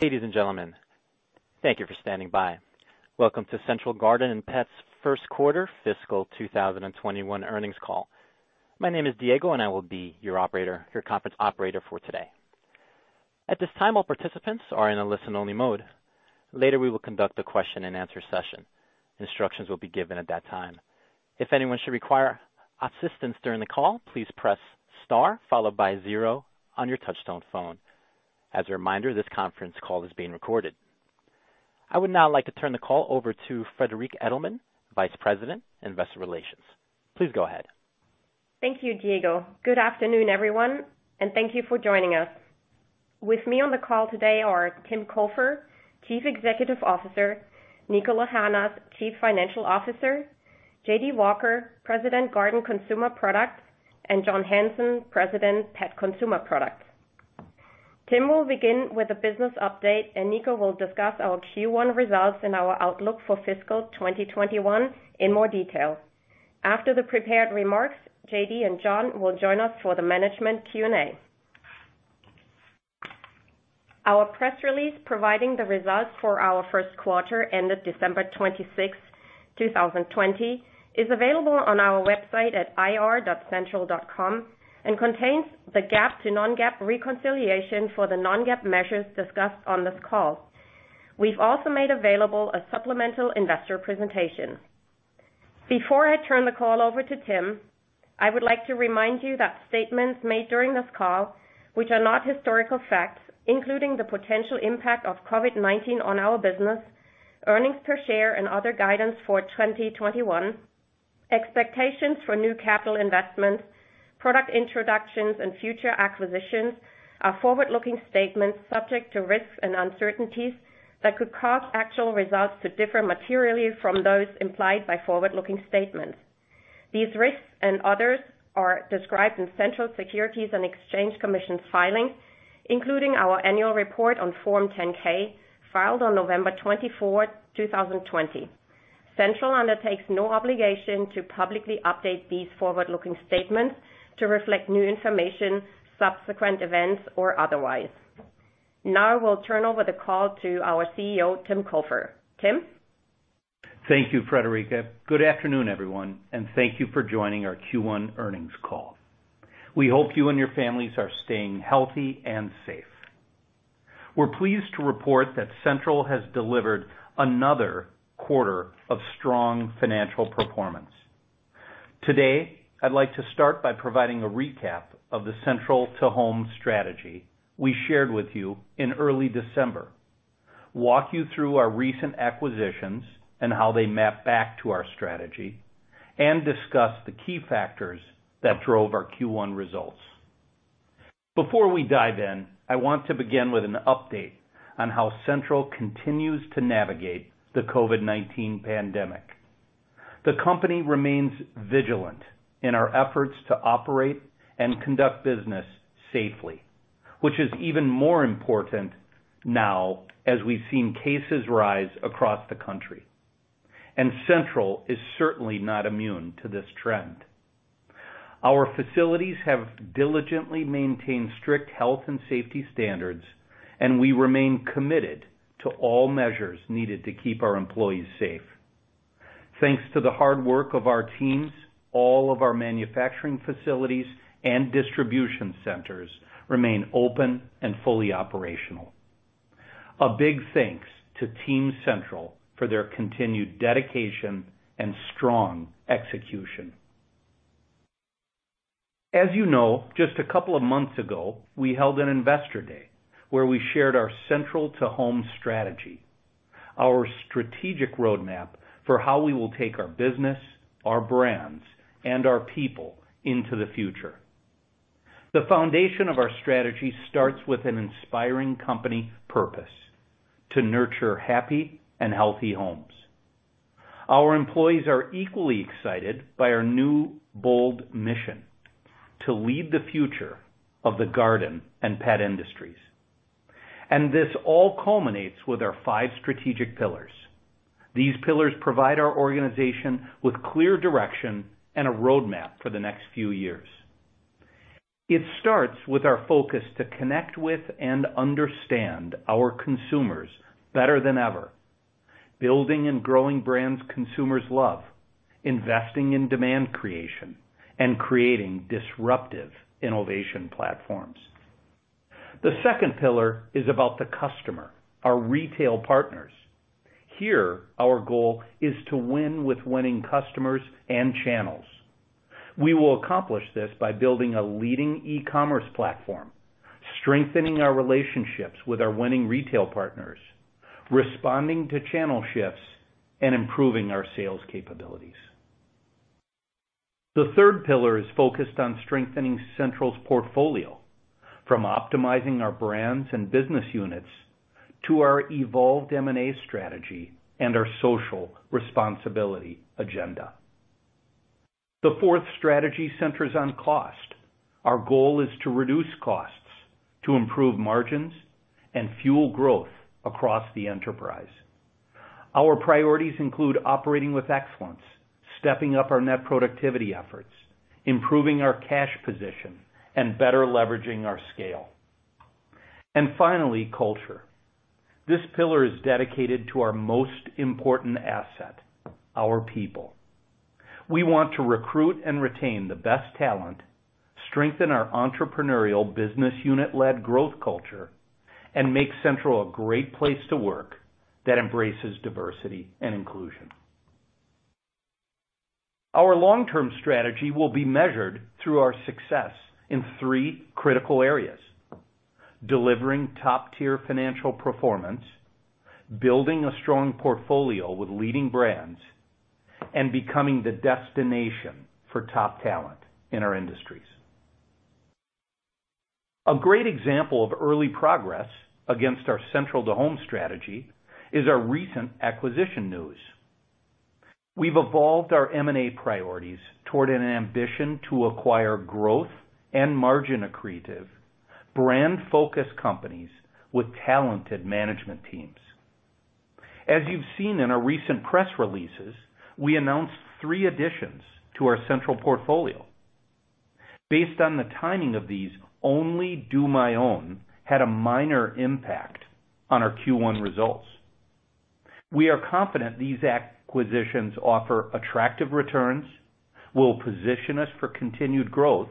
Ladies and gentlemen, thank you for standing by. Welcome to Central Garden & Pet's first quarter fiscal 2021 earnings call. My name is Diego, and I will be your conference operator for today. At this time, all participants are in a listen-only mode. Later, we will conduct the question-and-answer session. Instructions will be given at that time. If anyone should require assistance during the call, please press star followed by zero on your touchstone phone. As a reminder, this conference call is being recorded. I would now like to turn the call over to Friederike Edelmann, Vice President, Investor Relations. Please go ahead. Thank you, Diego. Good afternoon, everyone, and thank you for joining us. With me on the call today are Tim Cofer, Chief Executive Officer; Niko Lahanas, Chief Financial Officer; J.D. Walker, President, Garden Consumer Products; and John Hanson, President, Pet Consumer Products. Tim will begin with a business update, and Niko will discuss our Q1 results and our outlook for fiscal 2021 in more detail. After the prepared remarks, J.D. and John will join us for the management Q&A. Our press release providing the results for our first quarter, ended December 26, 2020, is available on our website at ir.central.com and contains the GAAP to non-GAAP reconciliation for the non-GAAP measures discussed on this call. We've also made available a supplemental investor presentation. Before I turn the call over to Tim, I would like to remind you that statements made during this call, which are not historical facts, including the potential impact of COVID-19 on our business, earnings per share and other guidance for 2021, expectations for new capital investments, product introductions, and future acquisitions, are forward-looking statements subject to risks and uncertainties that could cause actual results to differ materially from those implied by forward-looking statements. These risks and others are described in Central's Securities and Exchange Commission filings, including our annual report on Form 10-K filed on November 24, 2020. Central undertakes no obligation to publicly update these forward-looking statements to reflect new information, subsequent events, or otherwise. Now, we'll turn over the call to our CEO, Tim Cofer. Tim? Thank you, Friederike. Good afternoon, everyone, and thank you for joining our Q1 earnings call. We hope you and your families are staying healthy and safe. We're pleased to report that Central has delivered another quarter of strong financial performance. Today, I'd like to start by providing a recap of the Central to Home Strategy we shared with you in early December, walk you through our recent acquisitions and how they map back to our strategy, and discuss the key factors that drove our Q1 results. Before we dive in, I want to begin with an update on how Central continues to navigate the COVID-19 pandemic. The company remains vigilant in our efforts to operate and conduct business safely, which is even more important now as we've seen cases rise across the country. Central is certainly not immune to this trend. Our facilities have diligently maintained strict health and safety standards, and we remain committed to all measures needed to keep our employees safe. Thanks to the hard work of our teams, all of our manufacturing facilities and distribution centers remain open and fully operational. A big thanks to Team Central for their continued dedication and strong execution. As you know, just a couple of months ago, we held an Investor Day where we shared our Central to Home Strategy, our strategic roadmap for how we will take our business, our brands, and our people into the future. The foundation of our strategy starts with an inspiring company purpose: to nurture happy and healthy homes. Our employees are equally excited by our new, bold mission to lead the future of the garden and pet industries. This all culminates with our five strategic pillars. These pillars provide our organization with clear direction and a roadmap for the next few years. It starts with our focus to connect with and understand our consumers better than ever, building and growing brands consumers love, investing in demand creation, and creating disruptive innovation platforms. The second pillar is about the customer, our retail partners. Here, our goal is to win with winning customers and channels. We will accomplish this by building a leading e-commerce platform, strengthening our relationships with our winning retail partners, responding to channel shifts, and improving our sales capabilities. The third pillar is focused on strengthening Central's portfolio, from optimizing our brands and business units to our evolved M&A strategy and our social responsibility agenda. The fourth strategy centers on cost. Our goal is to reduce costs, to improve margins, and fuel growth across the enterprise. Our priorities include operating with excellence, stepping up our net productivity efforts, improving our cash position, and better leveraging our scale. Finally, culture. This pillar is dedicated to our most important asset, our people. We want to recruit and retain the best talent, strengthen our entrepreneurial business unit-led growth culture, and make Central a great place to work that embraces diversity and inclusion. Our long-term strategy will be measured through our success in three critical areas: delivering top-tier financial performance, building a strong portfolio with leading brands, and becoming the destination for top talent in our industries. A great example of early progress against our Central to Home Strategy is our recent acquisition news. We have evolved our M&A priorities toward an ambition to acquire growth and margin accretive, brand-focused companies with talented management teams. As you've seen in our recent press releases, we announced three additions to our Central portfolio. Based on the timing of these, only DoMyOwn had a minor impact on our Q1 results. We are confident these acquisitions offer attractive returns, will position us for continued growth,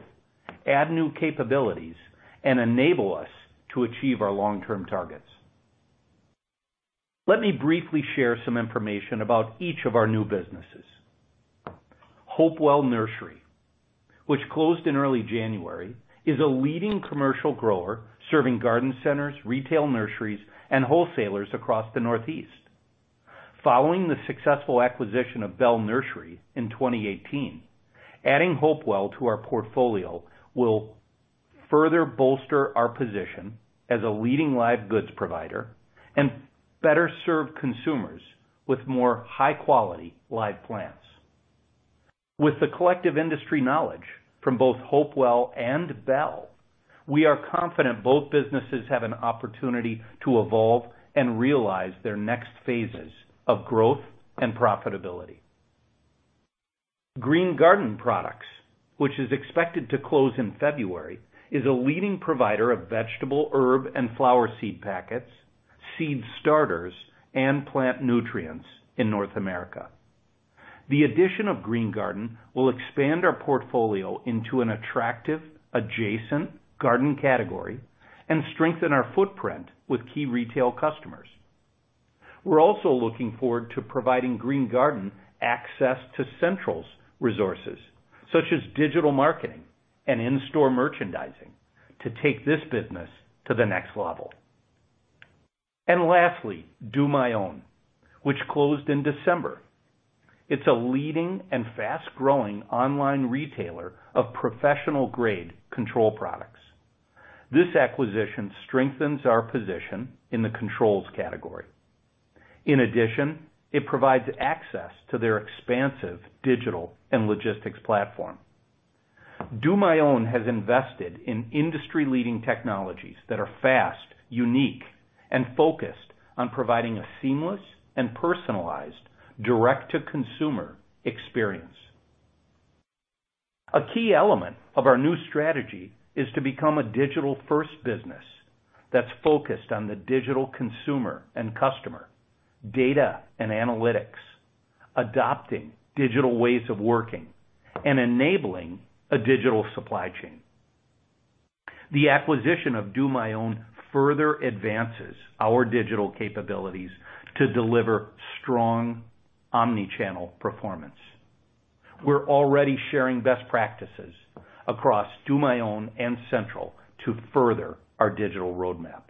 add new capabilities, and enable us to achieve our long-term targets. Let me briefly share some information about each of our new businesses. Hopewell Nursery, which closed in early January, is a leading commercial grower serving garden centers, retail nurseries, and wholesalers across the Northeast. Following the successful acquisition of Bell Nursery in 2018, adding Hopewell to our portfolio will further bolster our position as a leading live goods provider and better serve consumers with more high-quality live plants. With the collective industry knowledge from both Hopewell and Bell, we are confident both businesses have an opportunity to evolve and realize their next phases of growth and profitability. Green Garden Products, which is expected to close in February, is a leading provider of vegetable, herb, and flower seed packets, seed starters, and plant nutrients in North America. The addition of Green Garden will expand our portfolio into an attractive, adjacent garden category and strengthen our footprint with key retail customers. We are also looking forward to providing Green Garden access to Central's resources, such as digital marketing and in-store merchandising, to take this business to the next level. Lastly, DoMyOwn, which closed in December. It is a leading and fast-growing online retailer of professional-grade control products. This acquisition strengthens our position in the controls category. In addition, it provides access to their expansive digital and logistics platform. DoMyOwn has invested in industry-leading technologies that are fast, unique, and focused on providing a seamless and personalized direct-to-consumer experience. A key element of our new strategy is to become a digital-first business that's focused on the digital consumer and customer, data and analytics, adopting digital ways of working, and enabling a digital supply chain. The acquisition of DoMyOwn further advances our digital capabilities to deliver strong omnichannel performance. We're already sharing best practices across DoMyOwn and Central to further our digital roadmap.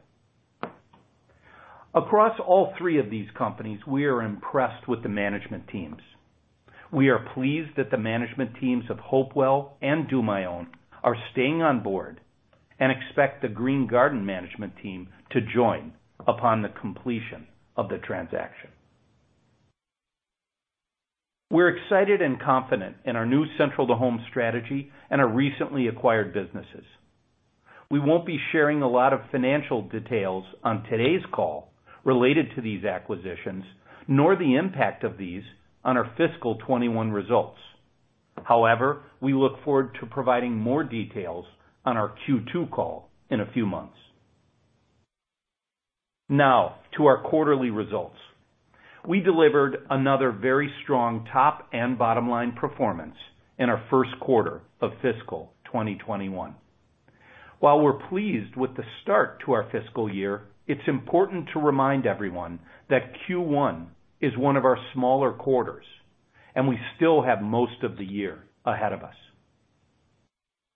Across all three of these companies, we are impressed with the management teams. We are pleased that the management teams of Hopewell and DoMyOwn are staying on board and expect the Green Garden management team to join upon the completion of the transaction. We're excited and confident in our new Central to Home Strategy and our recently acquired businesses. We won't be sharing a lot of financial details on today's call related to these acquisitions, nor the impact of these on our fiscal 2021 results. However, we look forward to providing more details on our Q2 call in a few months. Now, to our quarterly results. We delivered another very strong top and bottom-line performance in our first quarter of fiscal 2021. While we're pleased with the start to our fiscal year, it's important to remind everyone that Q1 is one of our smaller quarters, and we still have most of the year ahead of us.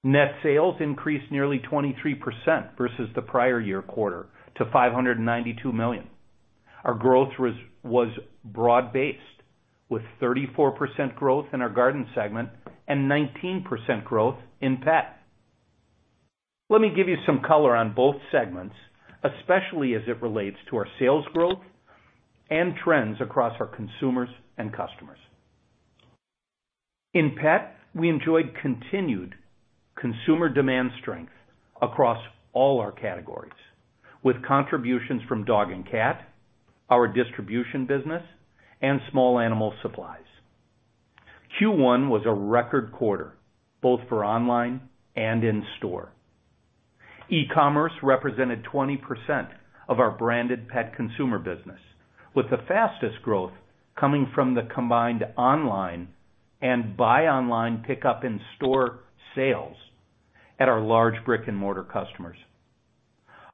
Net sales increased nearly 23% versus the prior year quarter to $592 million. Our growth was broad-based, with 34% growth in our Garden segment and 19% growth in Pet. Let me give you some color on both segments, especially as it relates to our sales growth and trends across our consumers and customers. In Pet, we enjoyed continued consumer demand strength across all our categories, with contributions from dog and cat, our distribution business, and small animal supplies. Q1 was a record quarter, both for online and in-store. E-commerce represented 20% of our branded pet consumer business, with the fastest growth coming from the combined online and buy online pickup in store sales at our large brick-and-mortar customers.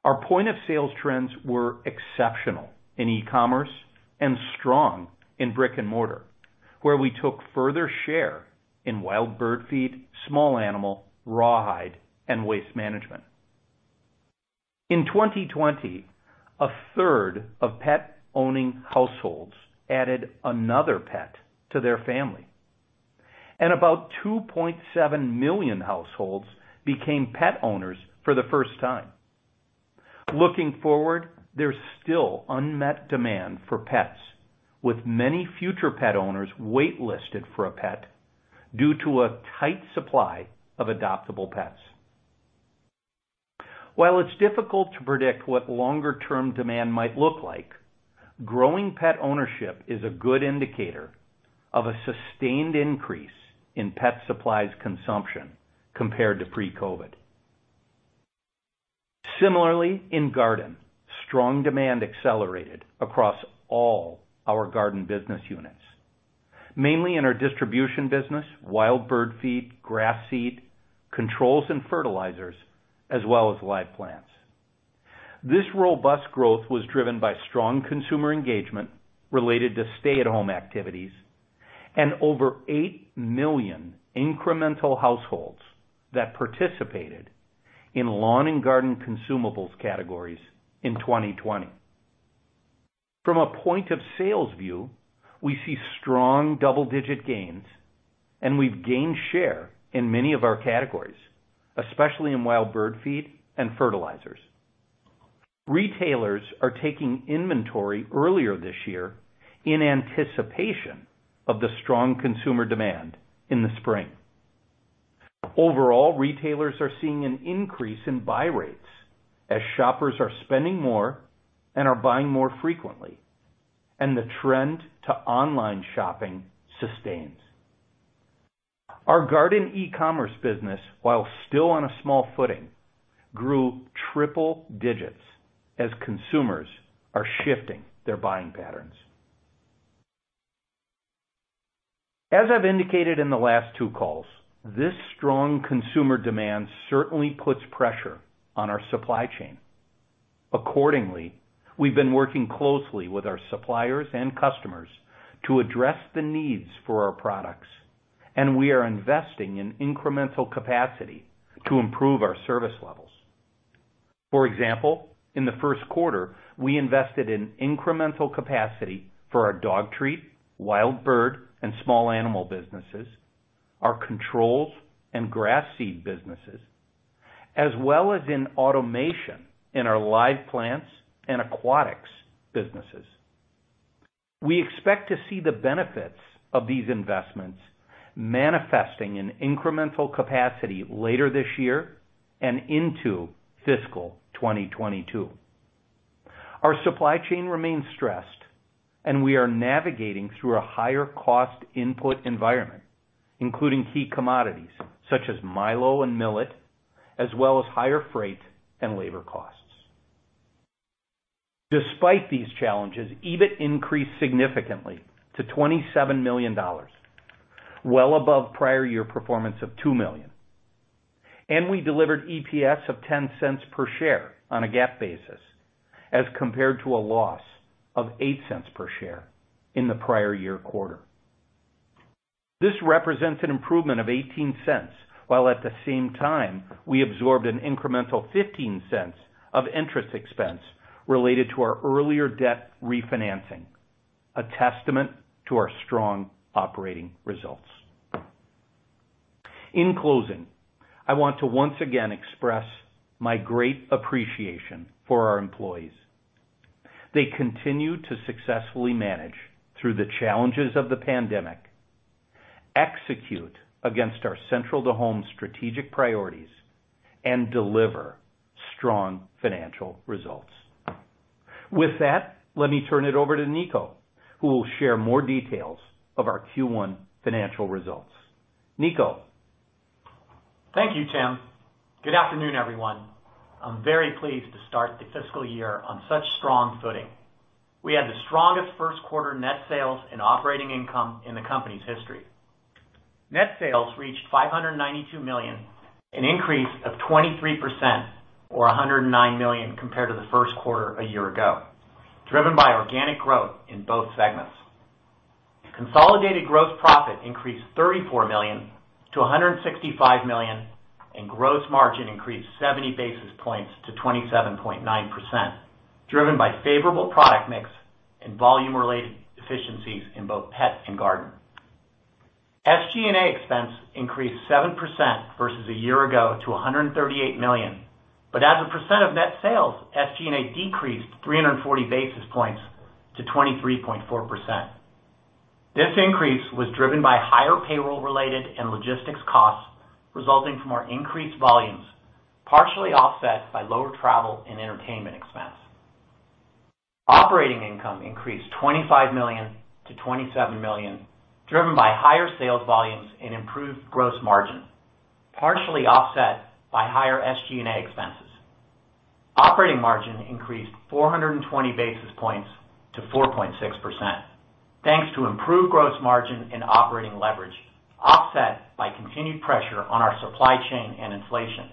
Our point-of-sales trends were exceptional in e-commerce and strong in brick-and-mortar, where we took further share in wild bird feed, small animal, rawhide, and waste management. In 2020, 1/3 of pet-owning households added another pet to their family, and about 2.7 million households became pet owners for the first time. Looking forward, there's still unmet demand for pets, with many future pet owners waitlisted for a pet due to a tight supply of adoptable pets. While it's difficult to predict what longer-term demand might look like, growing pet ownership is a good indicator of a sustained increase in pet supplies consumption compared to pre-COVID. Similarly, in Garden, strong demand accelerated across all our garden business units, mainly in our distribution business, wild bird feed, grass seed, controls, and fertilizers, as well as live plants. This robust growth was driven by strong consumer engagement related to stay-at-home activities and over 8 million incremental households that participated in lawn and garden consumables categories in 2020. From a point-of-sales view, we see strong double-digit gains, and we've gained share in many of our categories, especially in wild bird feed and fertilizers. Retailers are taking inventory earlier this year in anticipation of the strong consumer demand in the spring. Overall, retailers are seeing an increase in buy rates as shoppers are spending more and are buying more frequently, and the trend to online shopping sustains. Our garden e-commerce business, while still on a small footing, grew triple digits as consumers are shifting their buying patterns. As I've indicated in the last two calls, this strong consumer demand certainly puts pressure on our supply chain. Accordingly, we've been working closely with our suppliers and customers to address the needs for our products, and we are investing in incremental capacity to improve our service levels. For example, in the first quarter, we invested in incremental capacity for our dog treat, wild bird, and small animal businesses, our controls and grass seed businesses, as well as in automation in our live plants and aquatics businesses. We expect to see the benefits of these investments manifesting in incremental capacity later this year and into fiscal 2022. Our supply chain remains stressed, and we are navigating through a higher-cost input environment, including key commodities such as milo and millet, as well as higher freight and labor costs. Despite these challenges, EBIT increased significantly to $27 million, well above prior year performance of $2 million, and we delivered EPS of $0.10 per share on a GAAP basis as compared to a loss of $0.08 per share in the prior year quarter. This represents an improvement of $0.18, while at the same time, we absorbed an incremental $0.15 of interest expense related to our earlier debt refinancing, a testament to our strong operating results. In closing, I want to once again express my great appreciation for our employees. They continue to successfully manage through the challenges of the pandemic, execute against our Central to Home strategic priorities, and deliver strong financial results. With that, let me turn it over to Niko, who will share more details of our Q1 financial results. Niko. Thank you, Tim. Good afternoon, everyone. I'm very pleased to start the fiscal year on such strong footing. We had the strongest first-quarter net sales and operating income in the company's history. Net sales reached $592 million, an increase of 23%, or $109 million compared to the first quarter a year ago, driven by organic growth in both segments. Consolidated gross profit increased $34 million to $165 million, and gross margin increased 70 basis points to 27.9%, driven by favorable product mix and volume-related efficiencies in both Pet and Garden. SG&A expense increased 7% versus a year ago to $138 million, but as a percent of net sales, SG&A decreased 340 basis points to 23.4%. This increase was driven by higher payroll-related and logistics costs resulting from our increased volumes, partially offset by lower travel and entertainment expense. Operating income increased $25 million to $27 million, driven by higher sales volumes and improved gross margin, partially offset by higher SG&A expenses. Operating margin increased 420 basis points to 4.6%, thanks to improved gross margin and operating leverage, offset by continued pressure on our supply chain and inflation.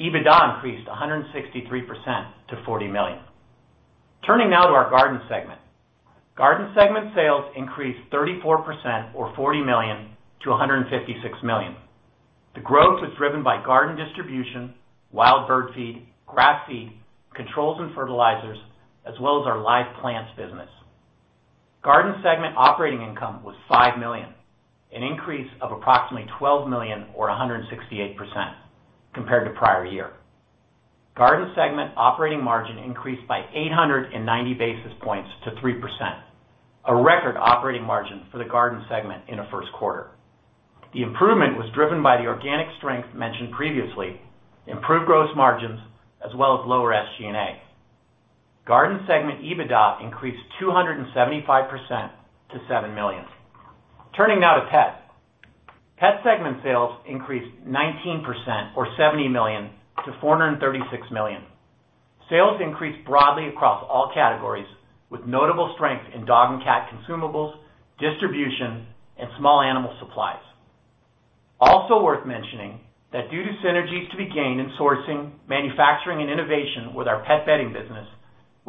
EBITDA increased 163% to $40 million. Turning now to our Garden segment. Garden segment sales increased 34%, or $40 million, to $156 million. The growth was driven by garden distribution, wild bird feed, grass seed, controls and fertilizers, as well as our live plants business. Garden segment operating income was $5 million, an increase of approximately $12 million, or 168%, compared to prior year. Garden segment operating margin increased by 890 basis points to 3%, a record operating margin for the Garden segment in a first quarter. The improvement was driven by the organic strength mentioned previously, improved gross margins, as well as lower SG&A. Garden segment EBITDA increased 275% to $7 million. Turning now to Pet. Pet segment sales increased 19%, or $70 million, to $436 million. Sales increased broadly across all categories, with notable strength in dog and cat consumables, distribution, and small animal supplies. Also worth mentioning that due to synergies to be gained in sourcing, manufacturing, and innovation with our pet bedding business,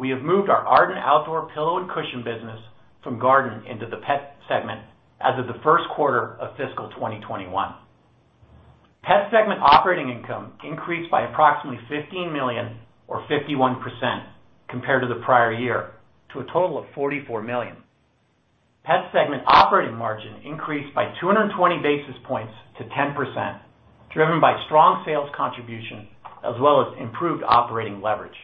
we have moved our art and outdoor pillow and cushion business from Garden into the Pet segment as of the first quarter of fiscal 2021. Pet segment operating income increased by approximately $15 million, or 51%, compared to the prior year, to a total of $44 million. Pet segment operating margin increased by 220 basis points to 10%, driven by strong sales contribution, as well as improved operating leverage.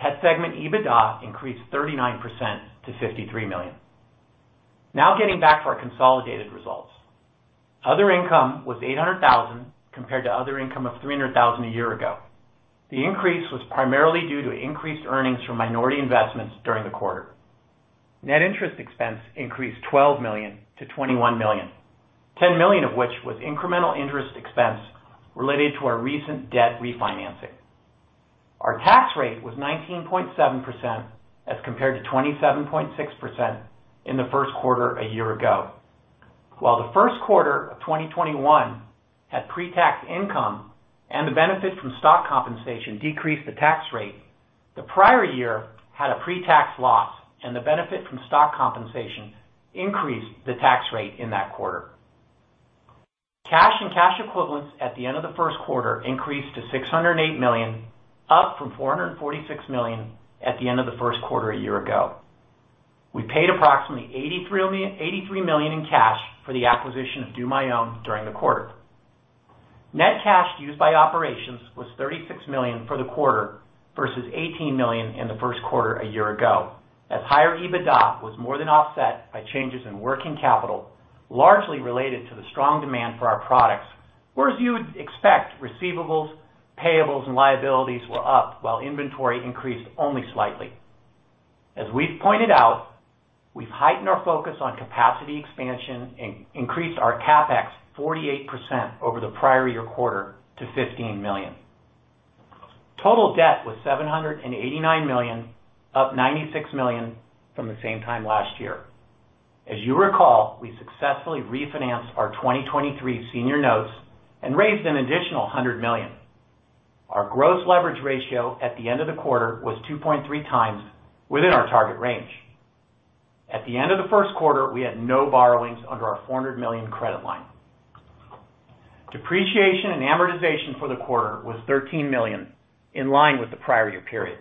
Pet segment EBITDA increased 39% to $53 million. Now getting back to our consolidated results. Other income was $800,000 compared to other income of $300,000 a year ago. The increase was primarily due to increased earnings from minority investments during the quarter. Net interest expense increased $12 million to $21 million, $10 million of which was incremental interest expense related to our recent debt refinancing. Our tax rate was 19.7% as compared to 27.6% in the first quarter a year ago. While the first quarter of 2021 had pre-tax income and the benefit from stock compensation decreased the tax rate, the prior year had a pre-tax loss and the benefit from stock compensation increased the tax rate in that quarter. Cash and cash equivalents at the end of the first quarter increased to $608 million, up from $446 million at the end of the first quarter a year ago. We paid approximately $83 million in cash for the acquisition of DoMyOwn during the quarter. Net cash used by operations was $36 million for the quarter versus $18 million in the first quarter a year ago, as higher EBITDA was more than offset by changes in working capital, largely related to the strong demand for our products, whereas you would expect receivables, payables, and liabilities were up, while inventory increased only slightly. As we've pointed out, we've heightened our focus on capacity expansion and increased our CapEx 48% over the prior year quarter to $15 million. Total debt was $789 million, up $96 million from the same time last year. As you recall, we successfully refinanced our 2023 senior notes and raised an additional $100 million. Our gross leverage ratio at the end of the quarter was 2.3x within our target range. At the end of the first quarter, we had no borrowings under our $400 million credit line. Depreciation and amortization for the quarter was $13 million, in line with the prior year period.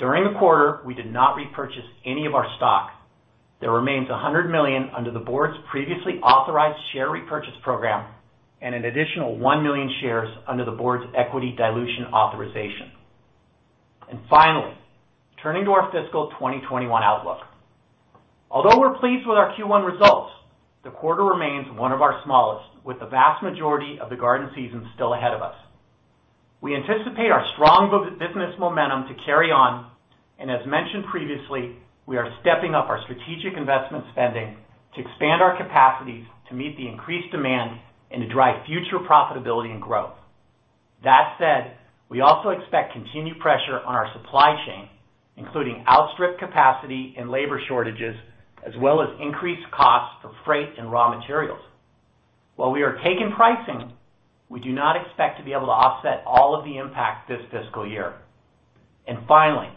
During the quarter, we did not repurchase any of our stock. There remains $100 million under the Board's previously authorized share repurchase program and an additional 1 million shares under the Board's equity dilution authorization. Finally, turning to our fiscal 2021 outlook. Although we're pleased with our Q1 results, the quarter remains one of our smallest, with the vast majority of the garden season still ahead of us. We anticipate our strong business momentum to carry on, and as mentioned previously, we are stepping up our strategic investment spending to expand our capacities to meet the increased demand and to drive future profitability and growth. That said, we also expect continued pressure on our supply chain, including outstrip capacity and labor shortages, as well as increased costs for freight and raw materials. While we are taking pricing, we do not expect to be able to offset all of the impact this fiscal year. Finally,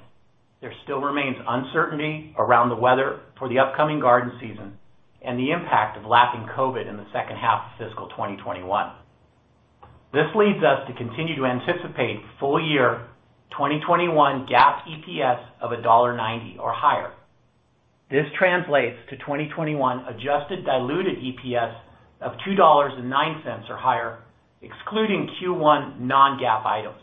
there still remains uncertainty around the weather for the upcoming garden season and the impact of lapping COVID in the second half of fiscal 2021. This leads us to continue to anticipate full-year 2021 GAAP EPS of $1.90 or higher. This translates to 2021 adjusted diluted EPS of $2.09 or higher, excluding Q1 non-GAAP items.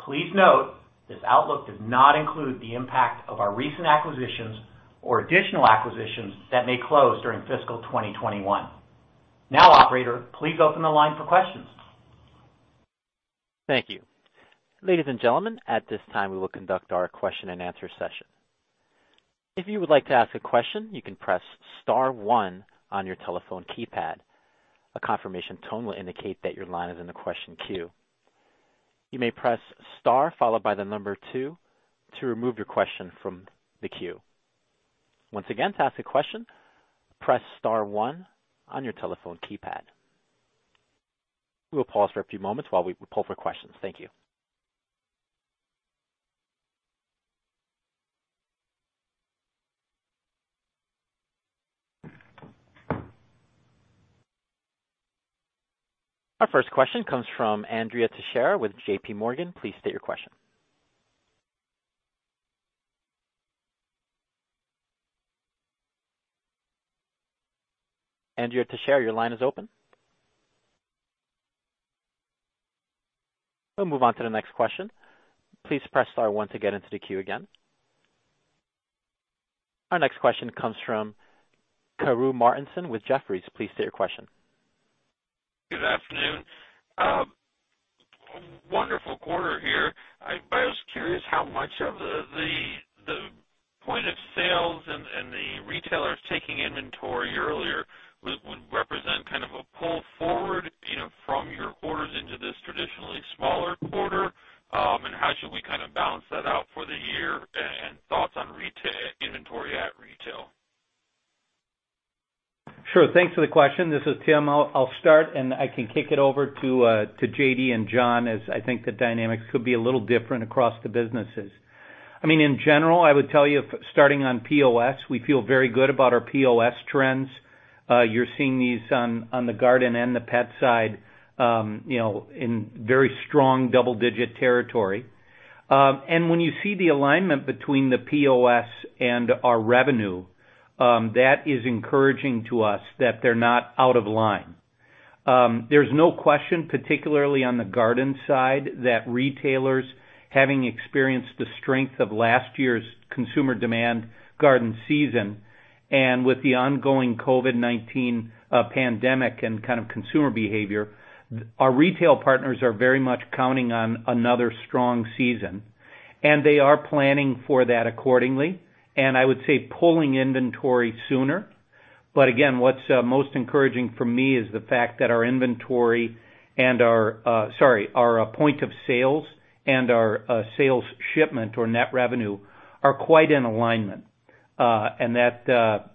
Please note this outlook does not include the impact of our recent acquisitions or additional acquisitions that may close during fiscal 2021. Now, operator, please open the line for questions. Thank you. Ladies and gentlemen, at this time, we will conduct our question-and-answer session. If you would like to ask a question, you can press star one on your telephone keypad. A confirmation tone will indicate that your line is in the question queue. You may press star followed by the number two to remove your question from the queue. Once again, to ask a question, press star one on your telephone keypad. We will pause for a few moments while we pull for questions. Thank you. Our first question comes from Andrea Teixeira with JPMorgan. Please state your question. Andrea Teixeira, your line is open. We'll move on to the next question. Please press star one to get into the queue again. Our next question comes from Karru Martinson with Jefferies. Please state your question. Good afternoon. Wonderful quarter here. I was curious how much of the point of sales and the retailers taking inventory earlier would represent kind of a pull forward from your quarters into this traditionally smaller quarter, and how should we kind of balance that out for the year and thoughts on inventory at retail? Sure. Thanks for the question. This is Tim. I'll start, and I can kick it over to J.D. and John, as I think the dynamics could be a little different across the businesses. I mean, in general, I would tell you starting on POS, we feel very good about our POS trends. You're seeing these on the Garden and the Pet side in very strong double-digit territory. When you see the alignment between the POS and our revenue, that is encouraging to us that they're not out of line. There's no question, particularly on the Garden side, that retailers, having experienced the strength of last year's consumer demand garden season and with the ongoing COVID-19 pandemic and kind of consumer behavior, our retail partners are very much counting on another strong season, and they are planning for that accordingly. I would say pulling inventory sooner. What is most encouraging for me is the fact that our inventory and our—sorry—our point of sales and our sales shipment or net revenue are quite in alignment, and that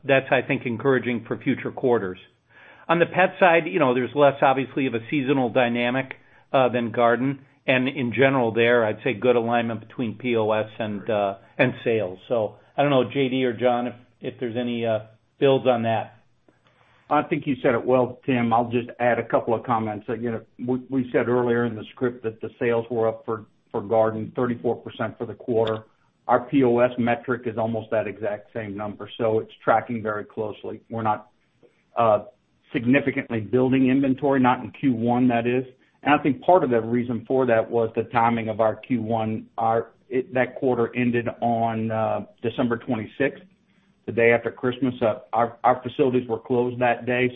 is, I think, encouraging for future quarters. On the Pet side, there is less, obviously, of a seasonal dynamic than Garden, and in general, there, I would say good alignment between POS and sales. I do not know, J.D. or John, if there is any builds on that. I think you said it well, Tim. I'll just add a couple of comments. We said earlier in the script that the sales were up for Garden, 34% for the quarter. Our POS metric is almost that exact same number, so it's tracking very closely. We're not significantly building inventory, not in Q1, that is. I think part of the reason for that was the timing of our Q1. That quarter ended on December 26, the day after Christmas. Our facilities were closed that day.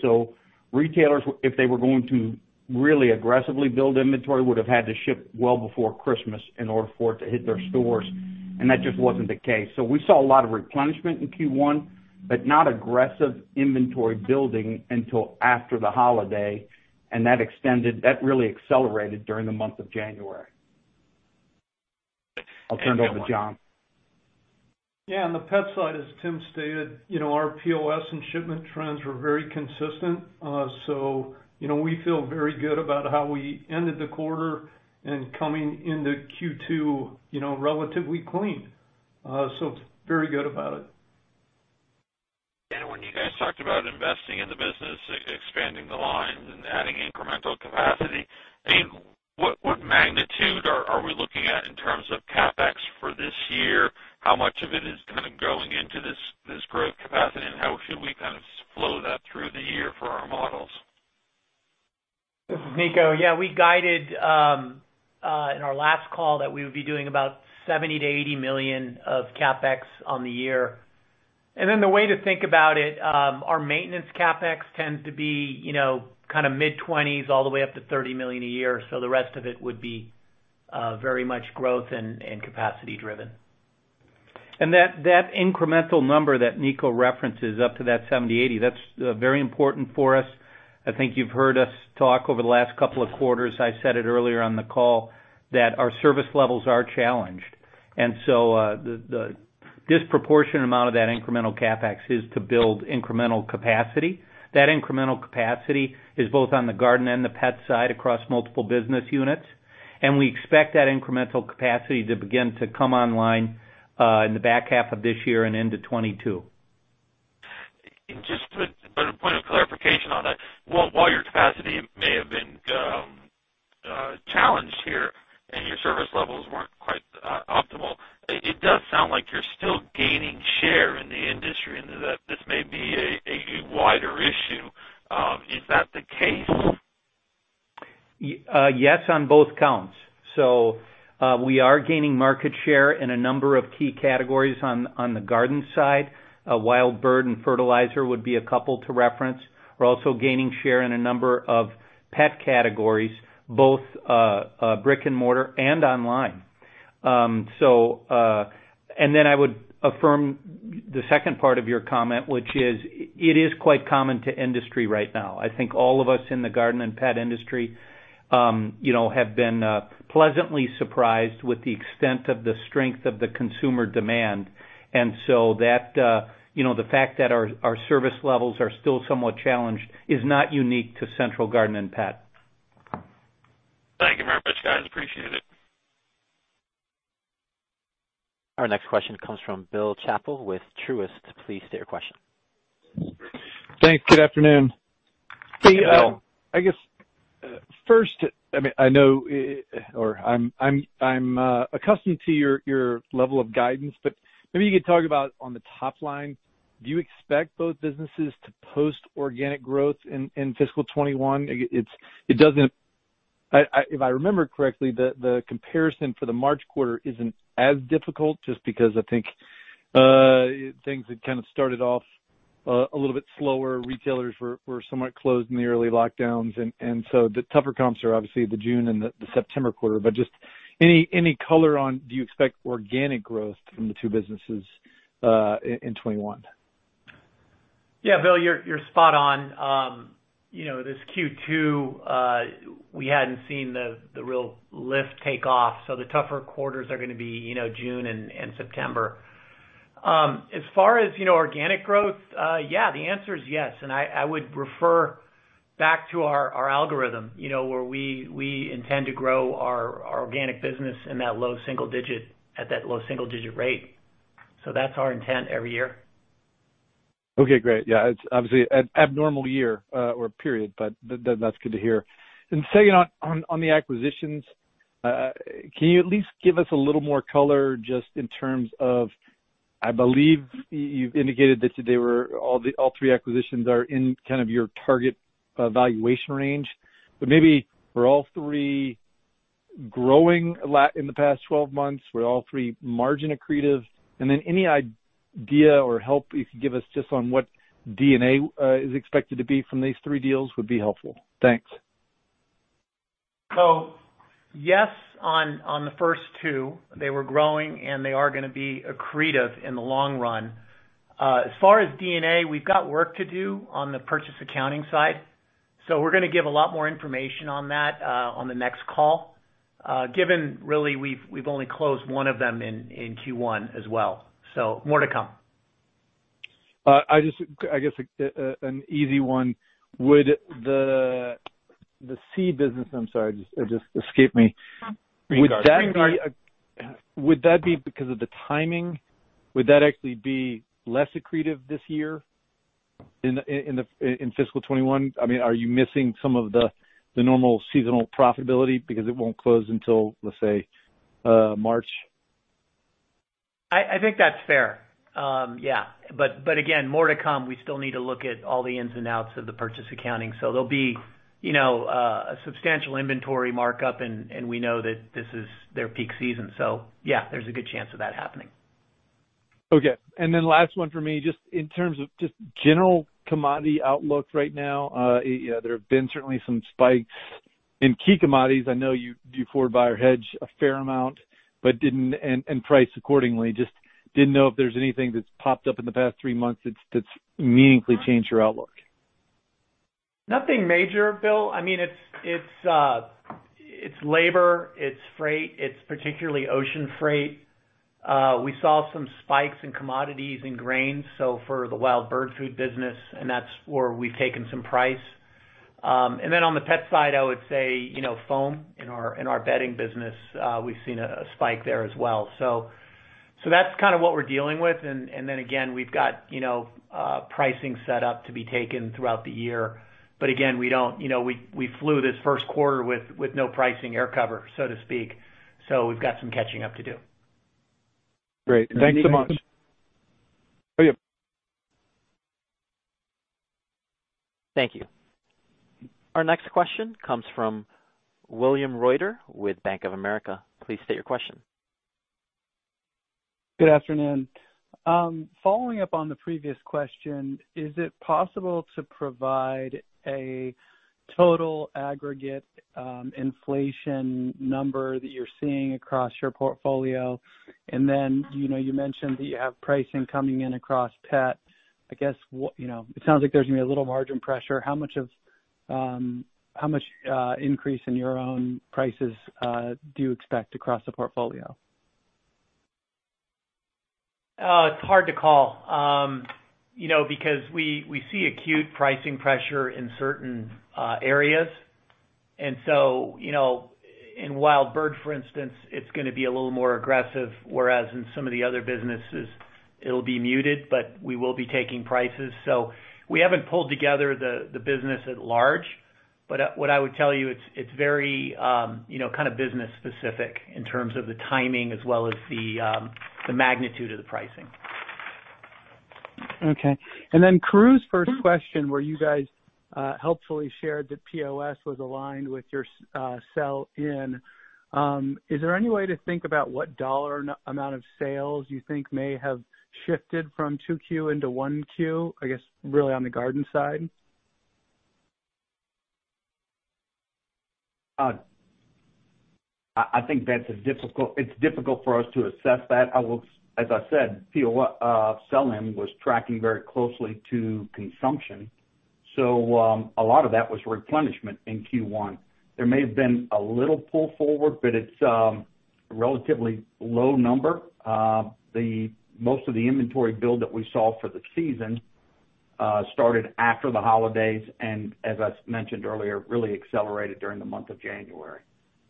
Retailers, if they were going to really aggressively build inventory, would have had to ship well before Christmas in order for it to hit their stores, and that just wasn't the case. We saw a lot of replenishment in Q1, but not aggressive inventory building until after the holiday, and that really accelerated during the month of January. I'll turn it over to John. Yeah. On the Pet side, as Tim stated, our POS and shipment trends were very consistent, so we feel very good about how we ended the quarter and coming into Q2 relatively clean. Very good about it. When you guys talked about investing in the business, expanding the lines, and adding incremental capacity, what magnitude are we looking at in terms of CapEx for this year? How much of it is kind of going into this growth capacity, and how should we kind of flow that through the year for our models? This is Niko. Yeah, we guided in our last call that we would be doing about $70 million-$80 million of CapEx on the year. The way to think about it, our maintenance CapEx tends to be kind of mid-20s all the way up to $30 million a year, so the rest of it would be very much growth and capacity-driven. That incremental number that Niko references up to that $70 million-$80 million, that's very important for us. I think you've heard us talk over the last couple of quarters. I said it earlier on the call that our service levels are challenged, and so the disproportionate amount of that incremental CapEx is to build incremental capacity. That incremental capacity is both on the Garden and the Pet side across multiple business units, and we expect that incremental capacity to begin to come online in the back half of this year and into 2022. Just for a point of clarification on that, while your capacity may have been challenged here and your service levels were not quite optimal, it does sound like you are still gaining share in the industry, and that this may be a wider issue. Is that the case? Yes, on both counts. We are gaining market share in a number of key categories on the Garden side. Wild bird and fertilizer would be a couple to reference. We are also gaining share in a number of pet categories, both brick-and-mortar and online. I would affirm the second part of your comment, which is it is quite common to industry right now. I think all of us in the Garden and Pet industry have been pleasantly surprised with the extent of the strength of the consumer demand, and the fact that our service levels are still somewhat challenged is not unique to Central Garden & Pet. Thank you very much, guys. Appreciate it. Our next question comes from Bill Chappell with Truist. Please state your question. Thanks. Good afternoon. Hey, Bill. I guess first, I mean, I know or I'm accustomed to your level of guidance, but maybe you could talk about on the top line, do you expect both businesses to post organic growth in fiscal 2021? If I remember correctly, the comparison for the March quarter isn't as difficult just because I think things had kind of started off a little bit slower. Retailers were somewhat closed in the early lockdowns, and the tougher comps are obviously the June and the September quarter. Just any color on do you expect organic growth from the two businesses in 2021? Yeah, Bill, you're spot on. This Q2, we hadn't seen the real lift take off, so the tougher quarters are going to be June and September. As far as organic growth, yeah, the answer is yes, and I would refer back to our algorithm where we intend to grow our organic business in that low single digit at that low single digit rate. That is our intent every year. Okay. Great. Yeah. It's obviously an abnormal year or period, but that's good to hear. Second, on the acquisitions, can you at least give us a little more color just in terms of I believe you've indicated that all three acquisitions are in kind of your target valuation range, but maybe were all three growing in the past 12 months? Were all three margin accretive? Any idea or help you can give us just on what D&A is expected to be from these three deals would be helpful. Thanks. Yes, on the first two, they were growing, and they are going to be accretive in the long run. As far as D&A, we've got work to do on the purchase accounting side, so we're going to give a lot more information on that on the next call, given really we've only closed one of them in Q1 as well. More to come. I guess an easy one, would the seed business—I'm sorry, it just escaped me—would that be because of the timing? Would that actually be less accretive this year in fiscal 2021? I mean, are you missing some of the normal seasonal profitability because it won't close until, let's say, March? I think that's fair. Yeah. Again, more to come. We still need to look at all the ins and outs of the purchase accounting, so there will be a substantial inventory markup, and we know that this is their peak season. Yeah, there's a good chance of that happening. Okay. Last one for me, just in terms of just general commodity outlook right now, there have been certainly some spikes in key commodities. I know you do forward buyer hedge a fair amount and price accordingly. Just didn't know if there's anything that's popped up in the past three months that's meaningfully changed your outlook. Nothing major, Bill. I mean, it's labor. It's freight. It's particularly ocean freight. We saw some spikes in commodities and grains, so for the wild bird food business, and that's where we've taken some price. On the Pet side, I would say foam in our bedding business, we've seen a spike there as well. That's kind of what we're dealing with. We have pricing set up to be taken throughout the year, but we flew this first quarter with no pricing air cover, so to speak. We have some catching up to do. Great. Thanks so much. Thank you. Our next question comes from William Reuter with Bank of America. Please state your question. Good afternoon. Following up on the previous question, is it possible to provide a total aggregate inflation number that you're seeing across your portfolio? You mentioned that you have pricing coming in across Pet. I guess it sounds like there's going to be a little margin pressure. How much increase in your own prices do you expect across the portfolio? It's hard to call because we see acute pricing pressure in certain areas. In wild bird, for instance, it's going to be a little more aggressive, whereas in some of the other businesses, it'll be muted, but we will be taking prices. We haven't pulled together the business at large, but what I would tell you, it's very kind of business-specific in terms of the timing as well as the magnitude of the pricing. Okay. And then Karru's first question, where you guys helpfully shared that POS was aligned with your sell-in, is there any way to think about what dollar amount of sales you think may have shifted from 2Q into 1Q, I guess really on the Garden side? I think that's a difficult—it's difficult for us to assess that. As I said, sell-in was tracking very closely to consumption, so a lot of that was replenishment in Q1. There may have been a little pull forward, but it's a relatively low number. Most of the inventory build that we saw for the season started after the holidays and, as I mentioned earlier, really accelerated during the month of January.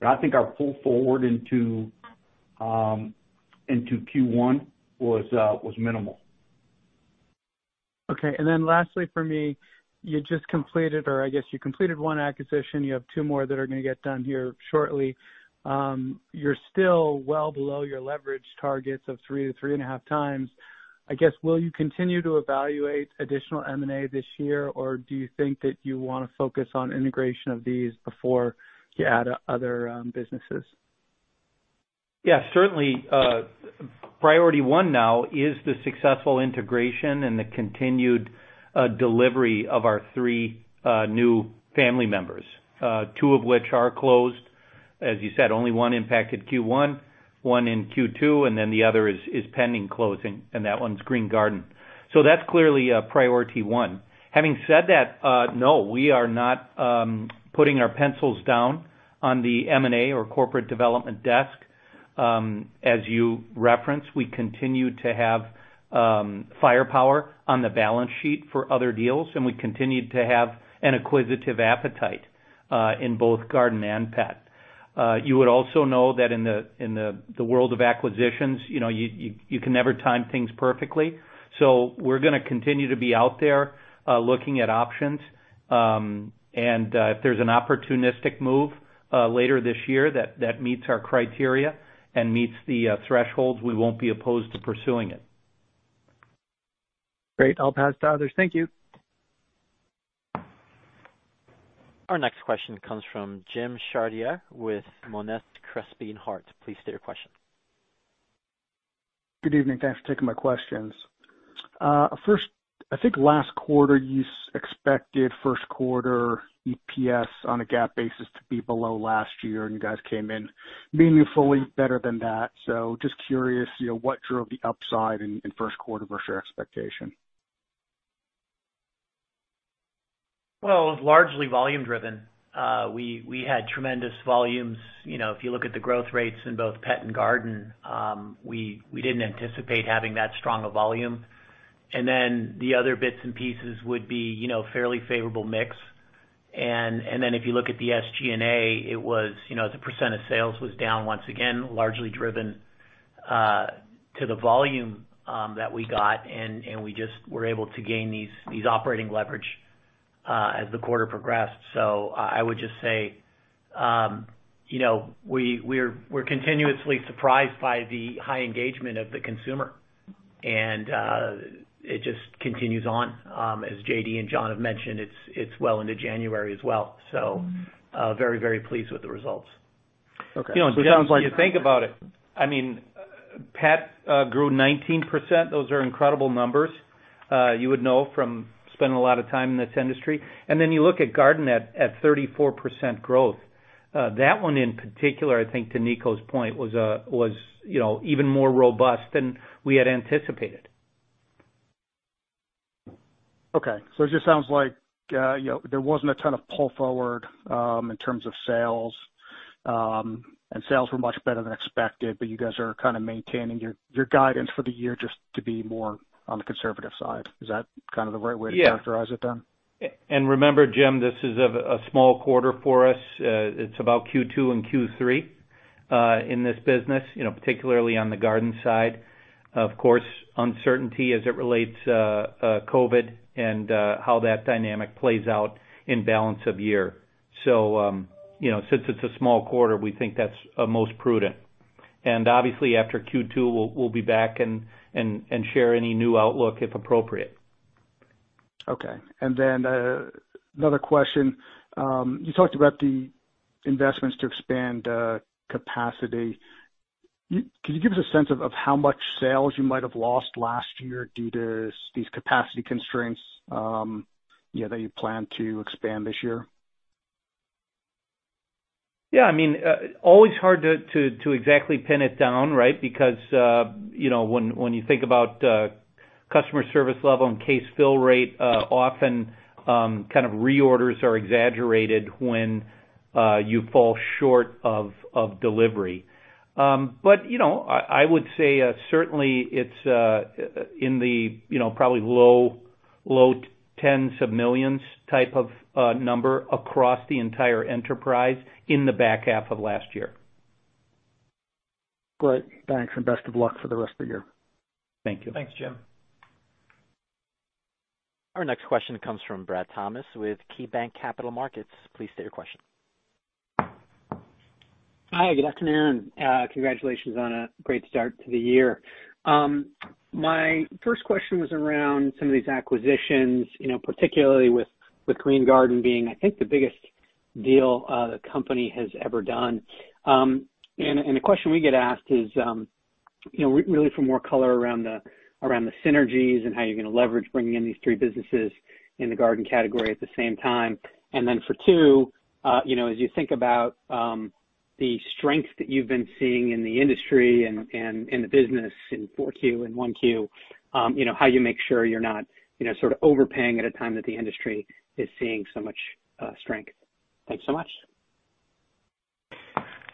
I think our pull forward into Q1 was minimal. Okay. Lastly for me, you just completed—or I guess you completed one acquisition. You have two more that are going to get done here shortly. You're still well below your leverage targets of 3x-3.5x. I guess, will you continue to evaluate additional M&A this year, or do you think that you want to focus on integration of these before you add other businesses? Yeah. Certainly, priority one now is the successful integration and the continued delivery of our three new family members, two of which are closed. As you said, only one impacted Q1, one in Q2, and then the other is pending closing, and that one's Green Garden. That is clearly priority one. Having said that, no, we are not putting our pencils down on the M&A or corporate development desk. As you referenced, we continue to have firepower on the balance sheet for other deals, and we continue to have an acquisitive appetite in both Garden and Pet. You would also know that in the world of acquisitions, you can never time things perfectly. We are going to continue to be out there looking at options, and if there is an opportunistic move later this year that meets our criteria and meets the thresholds, we will not be opposed to pursuing it. Great. I'll pass to others. Thank you. Our next question comes from Jim Chartier with Monness, Crespi, Hardt. Please state your question. Good evening. Thanks for taking my questions. First, I think last quarter, you expected first quarter EPS on a GAAP basis to be below last year, and you guys came in meaningfully better than that. Just curious, what drove the upside in first quarter versus your expectation? It was largely volume-driven. We had tremendous volumes. If you look at the growth rates in both Pet and Garden, we did not anticipate having that strong of volume. The other bits and pieces would be a fairly favorable mix. If you look at the SG&A, the percent of sales was down once again, largely driven to the volume that we got, and we just were able to gain these operating leverage as the quarter progressed. I would just say we are continuously surprised by the high engagement of the consumer, and it just continues on. As J.D. and John have mentioned, it is well into January as well. Very, very pleased with the results. Okay. It sounds like. If you think about it, I mean, Pet grew 19%. Those are incredible numbers you would know from spending a lot of time in this industry. You look at Garden at 34% growth. That one in particular, I think to Niko's point, was even more robust than we had anticipated. Okay. It just sounds like there wasn't a ton of pull forward in terms of sales, and sales were much better than expected, but you guys are kind of maintaining your guidance for the year just to be more on the conservative side. Is that kind of the right way to characterize it then? Yeah. Remember, Jim, this is a small quarter for us. It's about Q2 and Q3 in this business, particularly on the Garden side. Of course, uncertainty as it relates to COVID and how that dynamic plays out in balance of year. Since it's a small quarter, we think that's most prudent. Obviously, after Q2, we'll be back and share any new outlook if appropriate. Okay. Another question. You talked about the investments to expand capacity. Can you give us a sense of how much sales you might have lost last year due to these capacity constraints that you plan to expand this year? Yeah. I mean, always hard to exactly pin it down, right, because when you think about customer service level and case fill rate, often kind of reorders are exaggerated when you fall short of delivery. I would say certainly it's in the probably low tens of millions type of number across the entire enterprise in the back half of last year. Great. Thanks, and best of luck for the rest of the year. Thank you. Thanks, Jim. Our next question comes from Brad Thomas with KeyBanc Capital Markets. Please state your question. Hi. Good afternoon. Congratulations on a great start to the year. My first question was around some of these acquisitions, particularly with Green Garden being, I think, the biggest deal the company has ever done. The question we get asked is really for more color around the synergies and how you're going to leverage bringing in these three businesses in the Garden category at the same time. For two, as you think about the strength that you've been seeing in the industry and in the business in 4Q and 1Q, how you make sure you're not sort of overpaying at a time that the industry is seeing so much strength. Thanks so much.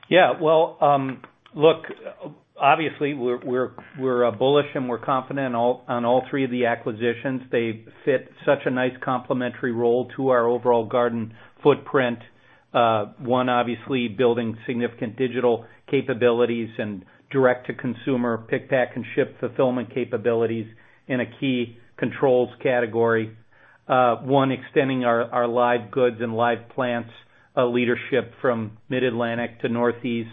Yeah. Look, obviously, we're bullish and we're confident on all three of the acquisitions. They fit such a nice complementary role to our overall garden footprint. One, obviously, building significant digital capabilities and direct-to-consumer pick, pack, and ship fulfillment capabilities in a key controls category. One, extending our live goods and live plants leadership from Mid-Atlantic to Northeast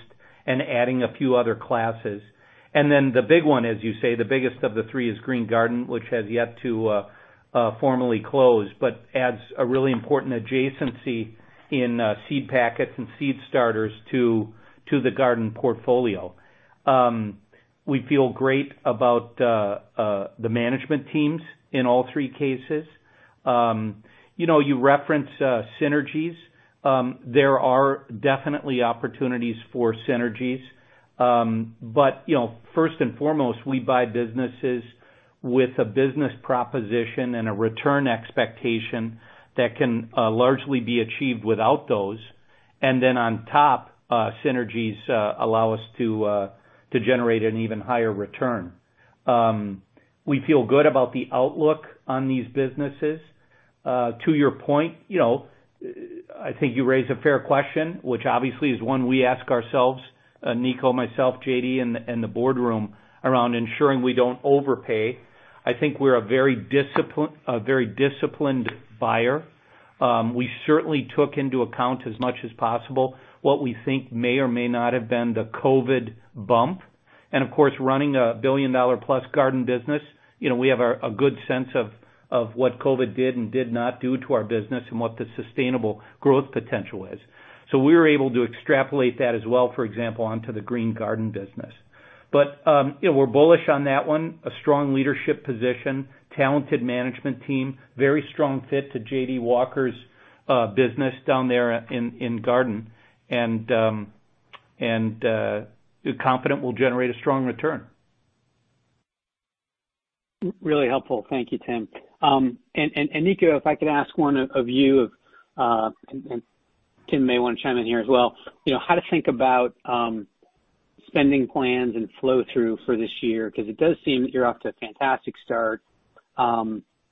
and adding a few other classes. The big one, as you say, the biggest of the three is Green Garden, which has yet to formally close but adds a really important adjacency in seed packets and seed starters to the garden portfolio. We feel great about the management teams in all three cases. You referenced synergies. There are definitely opportunities for synergies. First and foremost, we buy businesses with a business proposition and a return expectation that can largely be achieved without those. Synergies allow us to generate an even higher return. We feel good about the outlook on these businesses. To your point, I think you raise a fair question, which obviously is one we ask ourselves, Niko, myself, J.D., and the boardroom around ensuring we do not overpay. I think we are a very disciplined buyer. We certainly took into account as much as possible what we think may or may not have been the COVID bump. Of course, running a billion-dollar-plus garden business, we have a good sense of what COVID did and did not do to our business and what the sustainable growth potential is. We were able to extrapolate that as well, for example, onto the Green Garden business. We are bullish on that one. A strong leadership position, talented management team, very strong fit to J.D. Walker's business down there in garden, and confident we'll generate a strong return. Really helpful. Thank you, Tim. Niko, if I could ask one of you, and Tim may want to chime in here as well, how to think about spending plans and flow-through for this year? It does seem that you're off to a fantastic start.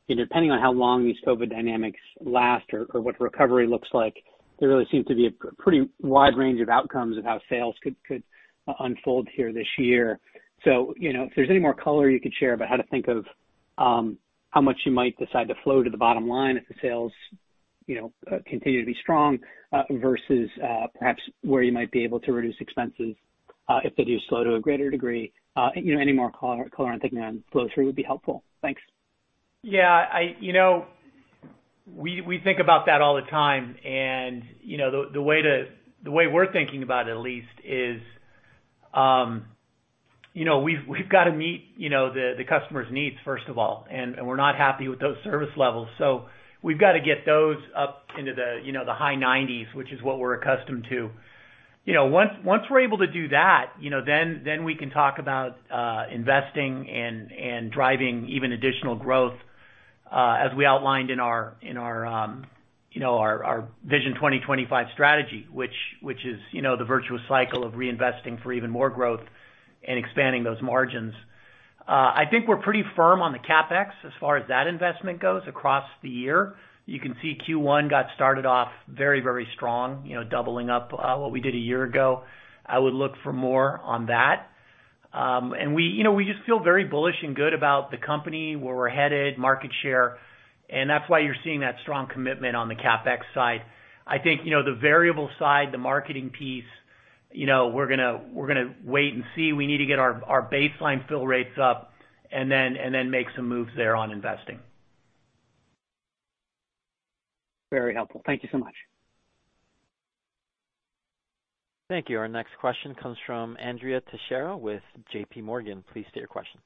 Depending on how long these COVID dynamics last or what the recovery looks like, there really seems to be a pretty wide range of outcomes of how sales could unfold here this year. If there's any more color you could share about how to think of how much you might decide to flow to the bottom line if the sales continue to be strong versus perhaps where you might be able to reduce expenses if they do slow to a greater degree, any more color on thinking on flow-through would be helpful. Thanks. Yeah. We think about that all the time. The way we're thinking about it, at least, is we've got to meet the customer's needs, first of all, and we're not happy with those service levels. We've got to get those up into the high 90s, which is what we're accustomed to. Once we're able to do that, we can talk about investing and driving even additional growth as we outlined in our Vision 2025 strategy, which is the virtuous cycle of reinvesting for even more growth and expanding those margins. I think we're pretty firm on the CapEx as far as that investment goes across the year. You can see Q1 got started off very, very strong, doubling up what we did a year ago. I would look for more on that. We just feel very bullish and good about the company, where we're headed, market share. That is why you're seeing that strong commitment on the CapEx side. I think the variable side, the marketing piece, we're going to wait and see. We need to get our baseline fill rates up and then make some moves there on investing. Very helpful. Thank you so much. Thank you. Our next question comes from Andrea Teixeira with JPMorgan. Please state your question.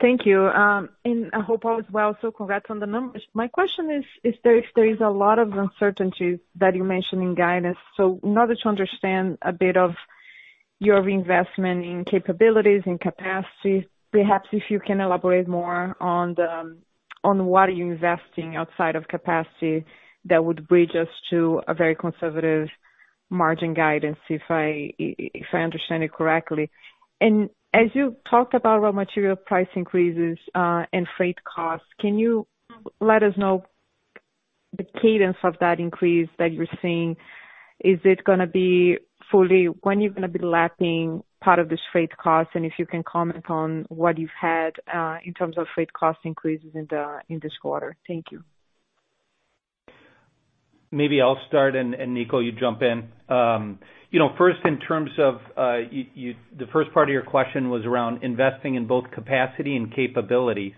Thank you. I hope all is well. Congrats on the numbers. My question is, if there is a lot of uncertainty that you mentioned in guidance, in order to understand a bit of your investment in capabilities and capacity, perhaps if you can elaborate more on what are you investing outside of capacity that would bridge us to a very conservative margin guidance, if I understand it correctly. As you talked about raw material price increases and freight costs, can you let us know the cadence of that increase that you're seeing? Is it going to be fully when you're going to be lapping part of this freight cost? If you can comment on what you've had in terms of freight cost increases in this quarter. Thank you. Maybe I'll start, and Niko, you jump in. First, in terms of the first part of your question was around investing in both capacity and capabilities.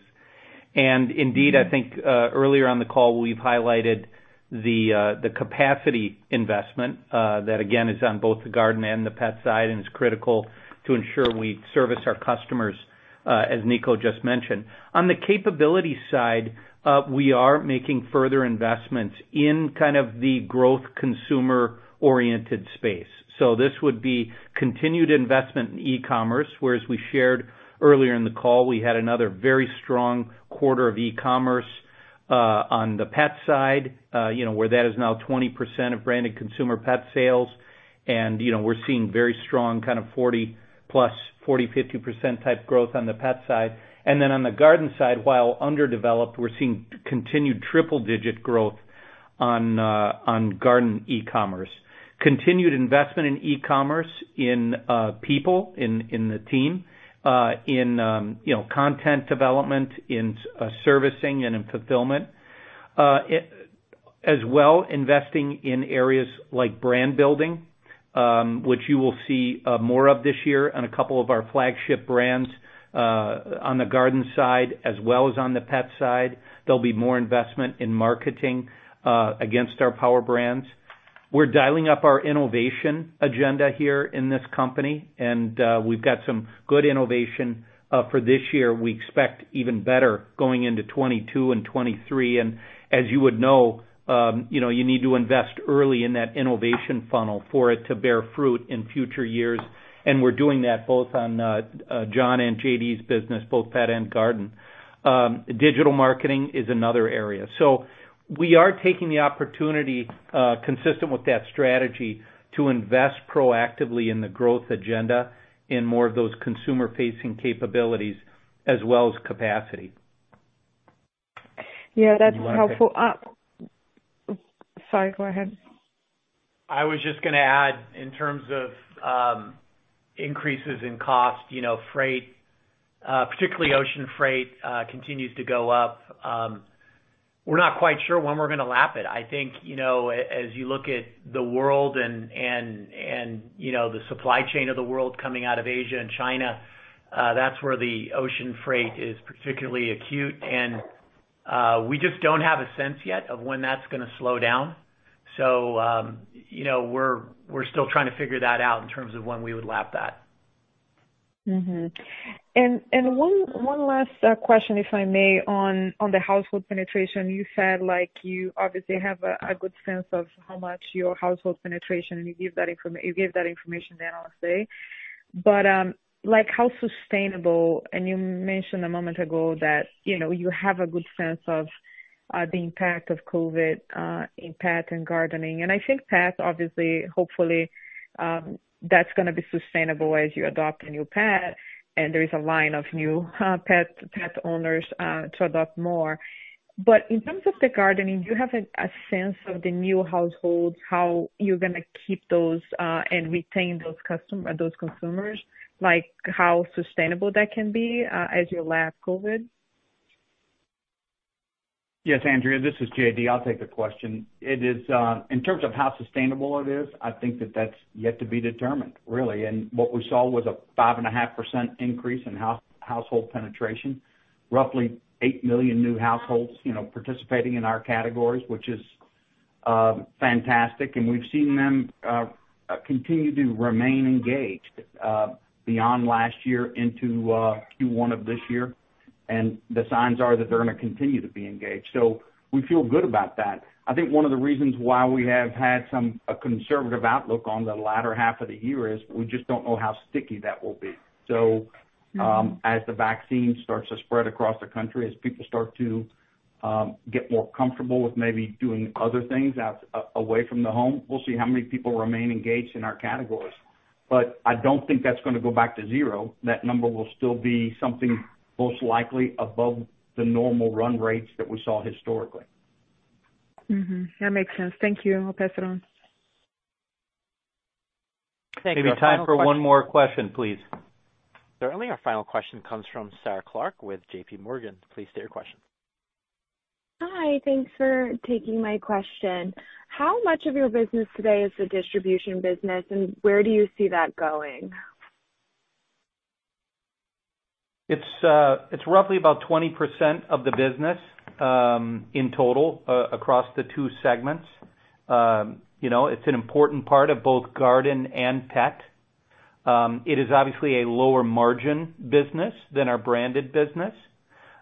Indeed, I think earlier on the call, we've highlighted the capacity investment that, again, is on both the Garden and the Pet side and is critical to ensure we service our customers, as Niko just mentioned. On the capability side, we are making further investments in kind of the growth consumer-oriented space. This would be continued investment in e-commerce, whereas we shared earlier in the call, we had another very strong quarter of e-commerce on the Pet side, where that is now 20% of branded consumer pet sales. We're seeing very strong kind of 40%+, 40%-50% type growth on the Pet side. On the Garden side, while underdeveloped, we're seeing continued triple-digit growth on garden e-commerce. Continued investment in e-commerce, in people, in the team, in content development, in servicing, and in fulfillment, as well investing in areas like brand building, which you will see more of this year on a couple of our flagship brands on the Garden side as well as on the Pet side. There will be more investment in marketing against our power brands. We are dialing up our innovation agenda here in this company, and we have got some good innovation for this year. We expect even better going into 2022 and 2023. As you would know, you need to invest early in that innovation funnel for it to bear fruit in future years. We are doing that both on John and J.D.'s business, both Pet and Garden. Digital marketing is another area. We are taking the opportunity, consistent with that strategy, to invest proactively in the growth agenda in more of those consumer-facing capabilities as well as capacity. Yeah. That's helpful. Sorry. Go ahead. I was just going to add, in terms of increases in cost, freight, particularly ocean freight, continues to go up. We're not quite sure when we're going to lap it. I think as you look at the world and the supply chain of the world coming out of Asia and China, that's where the ocean freight is particularly acute. We just don't have a sense yet of when that's going to slow down. We're still trying to figure that out in terms of when we would lap that. One last question, if I may, on the household penetration. You said you obviously have a good sense of how much your household penetration is and you gave that information on the Analyst Day. How sustainable is that? You mentioned a moment ago that you have a good sense of the impact of COVID in Pet and Gardening. I think Pet, obviously, hopefully, that's going to be sustainable as you adopt a new pet, and there is a line of new pet owners to adopt more. In terms of the Gardening, do you have a sense of the new households, how you're going to keep those and retain those consumers, how sustainable that can be as you lap COVID? Yes, Andrea. This is J.D. I'll take the question. In terms of how sustainable it is, I think that that's yet to be determined, really. What we saw was a 5.5% increase in household penetration, roughly 8 million new households participating in our categories, which is fantastic. We've seen them continue to remain engaged beyond last year into Q1 of this year. The signs are that they're going to continue to be engaged. We feel good about that. I think one of the reasons why we have had a conservative outlook on the latter half of the year is we just do not know how sticky that will be. As the vaccine starts to spread across the country, as people start to get more comfortable with maybe doing other things away from the home, we'll see how many people remain engaged in our categories. I do not think that is going to go back to zero. That number will still be something most likely above the normal run rates that we saw historically. That makes sense. Thank you. I'll pass it on. Maybe time for one more question, please. Certainly, our final question comes from Sarah Clarke with JPMorgan. Please state your question. Hi. Thanks for taking my question. How much of your business today is the distribution business, and where do you see that going? It's roughly about 20% of the business in total across the two segments. It's an important part of both Garden and Pet. It is obviously a lower margin business than our branded business,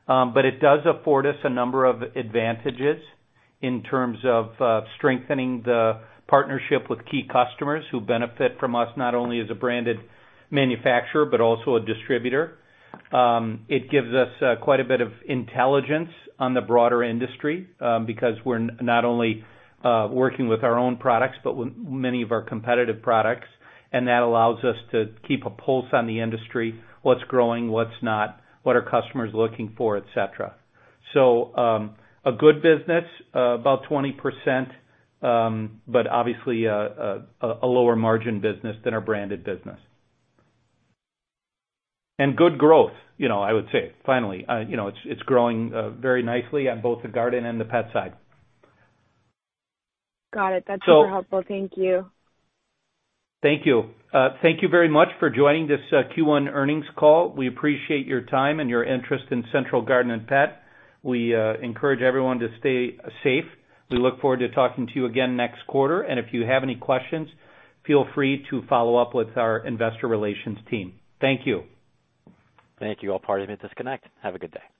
but it does afford us a number of advantages in terms of strengthening the partnership with key customers who benefit from us not only as a branded manufacturer but also a distributor. It gives us quite a bit of intelligence on the broader industry because we're not only working with our own products but many of our competitive products. That allows us to keep a pulse on the industry, what's growing, what's not, what are customers looking for, etc. A good business, about 20%, but obviously a lower margin business than our branded business. Good growth, I would say. Finally, it's growing very nicely on both the Garden and the Pet side. Got it. That's super helpful. Thank you. Thank you. Thank you very much for joining this Q1 earnings call. We appreciate your time and your interest in Central Garden & Pet. We encourage everyone to stay safe. We look forward to talking to you again next quarter. If you have any questions, feel free to follow up with our Investor Relations team. Thank you. Thank you, all parties may disconnect. Have a good day.